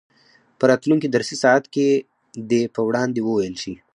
په راتلونکي درسي ساعت کې دې په وړاندې وویل شي.